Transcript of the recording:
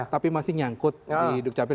tapi masih nyangkut di dukcapil